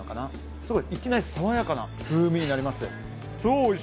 すごいいきなり爽やかな風味になります。